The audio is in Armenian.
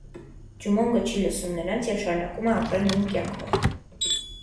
Ջումոնգը չի լսում նրանց և շարունակում է ապրել նույն կյանքով։